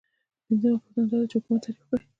پنځمه پوښتنه دا ده چې حکومت تعریف کړئ.